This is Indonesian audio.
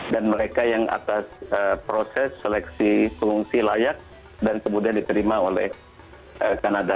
dan mereka yang atas proses seleksi pengungsi layak dan kemudian diterima oleh kanada